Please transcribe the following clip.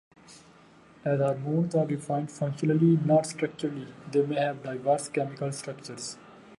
As hormones are defined functionally, not structurally, they may have diverse chemical structures.